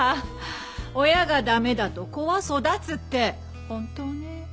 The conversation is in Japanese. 親が駄目だと子は育つって本当ね。